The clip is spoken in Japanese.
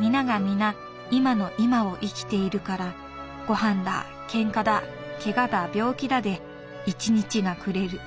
皆が皆今の今を生きているからごはんだ喧嘩だケガだ病気だで一日が暮れる。